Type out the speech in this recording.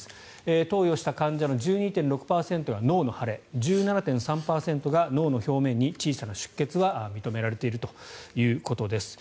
投与した患者の１２．６％が脳の腫れ１７．３％が脳の表面に小さな出血が認められているということです。